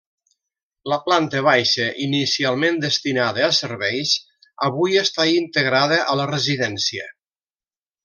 La planta baixa, inicialment destinada a serveis, avui està integrada a la residència.